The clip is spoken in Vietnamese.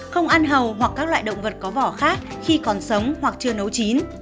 không ăn hầu hoặc các loại động vật có vỏ khác khi còn sống hoặc chưa nấu chín